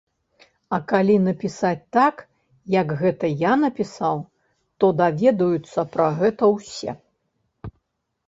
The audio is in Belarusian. А калі напісаць так, як гэта я напісаў, то даведаюцца пра гэта ўсе.